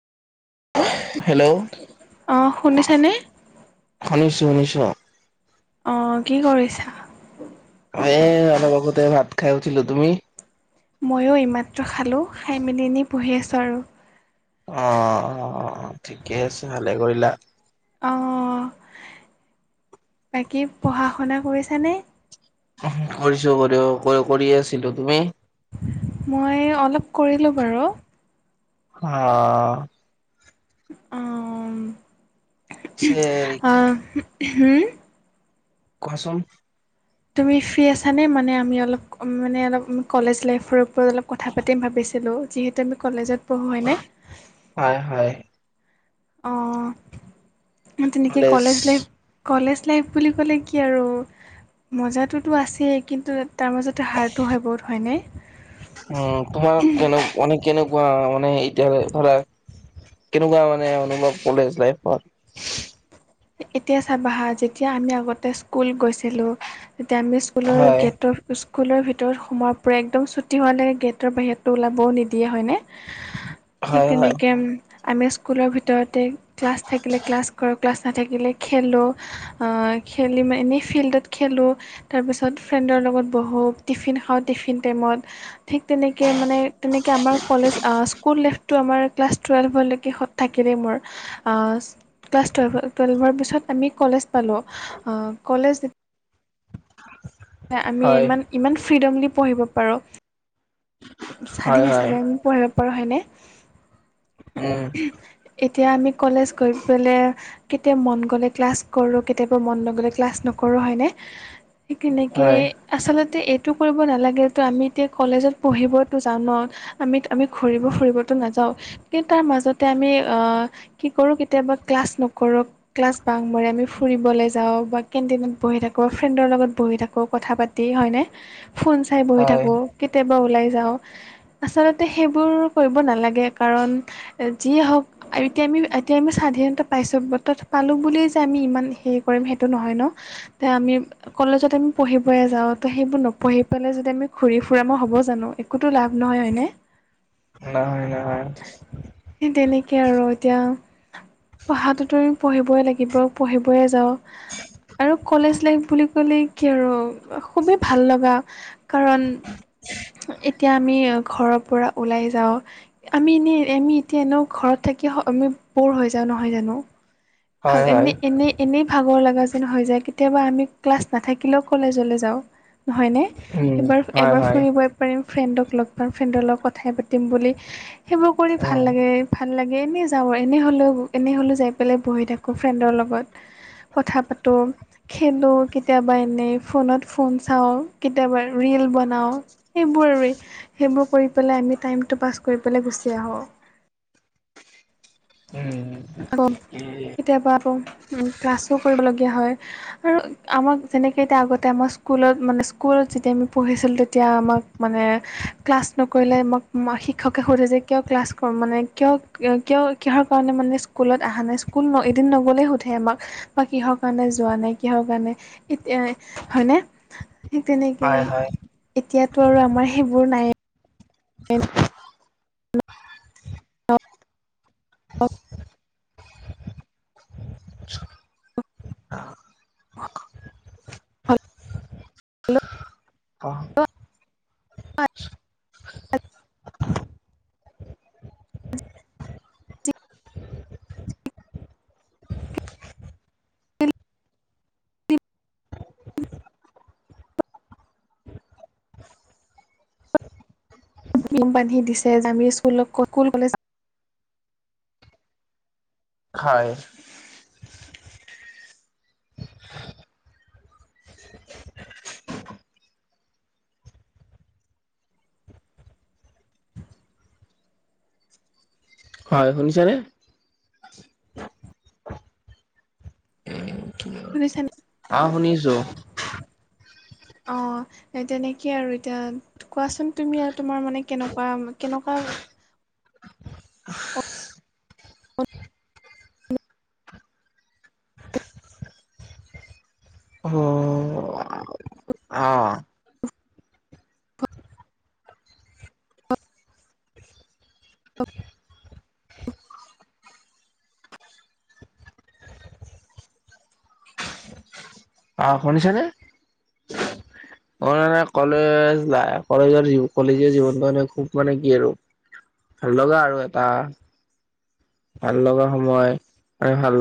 অ hello শুনিছানে শুনিছোঁ শুনিছোঁ। অ কি কৰিছা? এ অলপ আগতে ভাত খাই উঠিলো। তুমি? ময়ো এই মাত্ৰ খালোঁ, খাই মেল এনেই বহি আছোঁ আৰু। অ-অ-অ-অ ঠিকে আছে ভালে কৰিলা। অ বাকী পঢ়া শুনা কৰিছানে? কৰিছো কৰি কৰি আছিলো। তুমি? মই অলপ কৰিলো বাৰু, অ অ পিছে হেৰি কি [unintelligible] কোৱাচোন। তুমি ফ্ৰী আছানে? মানে আমি অলপ মানে অলপ কলেজ লাইফৰ ওপৰত অলপ কথা পাতিম ভাবিছিলোঁ ত আমি কলেজত পঢ়ো হয় নে? হয় হয়। অ তেনেকৈ কলেজ লাইফ কলেজ লাইফ বুলি ক'লে কি আৰু মজাটোতো আছেই কিন্তু তাৰ মাজত হাৰ্টটো হয় বহুত হয়নে উম তোমাৰ [unintelligible] কেনেকুৱা মানে এতিয়া ধৰা কেনেকুৱা মানে অনুভৱ কলেজ লাইফত? এতিয়া চাবাহা যেতিয়া আমি আগতে স্কুল গৈছিলোঁ, তেতিয়া আমি স্কুলৰ হয় গেটৰ স্কুলৰ ভিতৰত সোমোৱাৰ পৰা একদম চুটি হোৱালৈকে গেটৰ বাহিৰতটো ওলাবও নিদিয়ে হয়নে? [inaudible] ঠিক হয় তেনেকে আমি স্কুলৰ ভিতৰতে ক্লাছ থাকিলে ক্লাছ কৰোঁ ক্লাছ নাথাকিলে খেলোঁ আ খেলি মই এনেই ফিল্ডত খেলোঁ, তাৰপিছত ফ্ৰেণ্ডৰ লগত বহো টিফিন খাওঁ টিফিন টাইমত, ঠিক তেনেকে মানে তেনেকে আমাৰ কলেজ স্কুল লেইফ তো আমাৰ ক্লাছ টুৱেল্ভলৈকে সত থাকিলেই মোৰ, অ ক্লাছ টুৱেল্ভত টুৱেলভৰ পিছত আমি কলেজ পালোঁ, অ কলেজ আমি হয় ইমান ইমান ফ্ৰীডমলি পঢ়িব পাৰো। হয় স্বাধীন হয় হিচাপে আমি পঢ়িব পাৰোঁ হয়নে? উম। এতিয়া আমি কলেজ গৈ পেলাই কেতিয়াবা মন গ'লে ক্লাছ কৰো, কেতিয়াবা মন নগলে ক্লাছ নকৰো, হয়নে? কেনেকে হয় আচলতে এইটো কৰিব নালাগে টো আমি এতিয়া কলেজত পঢ়িবতো যাওঁ ন, আমিত আমি ঘূৰিব ফুৰিবতো নাযাওঁ। কিন্তু তাৰ মাজতে আমি আহ কি কৰো কেতিয়াবা ক্লাছ নকৰো, ক্লাছ বাং মাৰো আমি ফুৰিবলৈ যাওঁ বা কেণ্টিনত বহি থাকো, ফ্ৰেণ্ডৰ লগত বহি থাকো, কথা পাতি টি হয়নে ফোন চাই বহি হয় থাকো কেতিয়াবা ওলাই যাওঁ। আচলতে সেইবোৰ কৰিব নালাগে কাৰণ যিয়ে হওক আৰু এতিয়া আমি এতিয়া আমি স্বাধীনতা পাইছোঁ বতত পালোঁ বুলিয়েই যে আমি ইমান হেৰি কৰিম সেইটো নহয় ন তে আমি কলেজত আমি পঢ়িবয়ে যাও ত সেইবোৰ নপঢ়ি পেলাই যদি আমি ঘুৰি ফুৰাম হ'ব হ'ব জানো একোতো লাভ নহয়, হয়নে? নহয় নহয়। সেই তেনেকেই আৰু এতিয়া পঢ়াটোতো পঢ়িবই লাগিব পঢ়িবই যাওঁ। আৰু কলেজ লাইফ বুলি কলে কি আৰু খুবেই ভাল লগা কাৰণ এতিয়া আমি ঘৰৰ পৰা ওলাই যাওঁ আমি এনেই আমি এতিয়া এনেও ঘৰত থাকি আমি বৰ হৈ যাওঁ নহয় জানো হ হয় হয় এনে এনেই এনেই ভাগৰ লগা যেন হৈ যায় কেতিয়াবা আমি ক্লাছ নাথাকিলেও কলেজলৈ যাওঁ। নহয়নে? উম এবাৰ হয় এবাৰ হয় ফুৰিবই পাৰিম ফ্ৰেণ্ডক লগ পাম ফ্ৰেণ্ডৰ লগত কথাই পাতিম বুলি সেইবোৰ কৰি ভাল উম লাগে। ভাল লাগে এনেই যাওঁ এনেই হ'লেও এনে হ'লেও যাই পেলাই বহি থাকোঁ ফ্ৰেণ্ডৰ লগত। কথা পাতো খেলো কেতিয়াবা এনেই ফোনত ফোন চাওঁ কেতিয়াবা ৰিল বনাওঁ। সেইবোৰে আৰে সেইবোৰ কৰি পেলাই আমি টাইমটো পাছ কৰি পেলাই গুচি আহোঁ। আকৌ [unintelligible] কেতিয়াবা আকৌ ক্লাছো কৰিবলগীয়া হয় আৰু আমাক যেনেকৈ এতিয়া আগতে আমাৰ স্কুলত মানে স্কুলত যেতিয়া আমি পঢ়িছিলোঁ তেতিয়া আমাক মানে ক্লাছ নকৰিলে মক ম শিক্ষকে সোধে যে কিয় ক্লাছ কৰ মানে কিয় কিয় কিহৰ কাৰণে মানে স্কুলত অহা নাই স্কুল এদিন নগলেই সোধে আমাক। বা কিহৰ কাৰণে যোৱা নাই কিহৰ কাৰণে ইতে হয়নে? ঠিক তেনেকে হয় হয় এতিয়াতো আৰু আমাৰ সেইবোৰ নাই। [inaudible] [inaudible] [unintelligible] [unintelligible] হেল্ল' কহ কীম বান্ধি দিছে যে আমি স্কুলক ক কুল কলেজ হয়। হয়, শুনিছানে? শুনিছানে? আহ শুনিছো? অ তেনেকেই আৰু এতিয়া কোৱাচোন তুমি আৰ তোমাৰ মানে কেনেকুৱা কেনকা হঅ অ শুনিছানে? অ নে নে কলেজ লাইভ কলেজৰ দিন কলেজীয়া জীৱন মানে খুব মানে কি আৰু ভাল লগা আৰু এটা ভাল লগা সময় আৰু ভাল